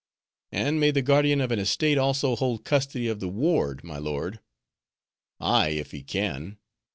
"And may the guardian of an estate also hold custody of the ward, my lord?" "Ay, if he can.